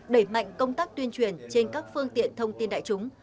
đẩy mạnh công tác tuyên truyền trên các phương tiện thông tin đại chúng